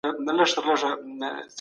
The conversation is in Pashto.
ایا د قحطی پای به ژر راورسیږي؟